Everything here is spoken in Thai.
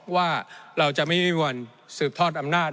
ว่าเราจะไม่มีวันสืบทอดอำนาจ